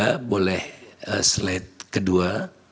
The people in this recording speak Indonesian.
yang diperoleh seled kedua